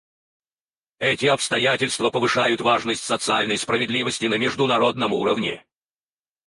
Эти обстоятельства повышают важность социальной справедливости на международном уровне.